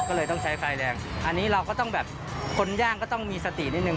ก็เลยต้องใช้ไฟแรงอันนี้เราก็ต้องแบบคนย่างก็ต้องมีสตินิดนึ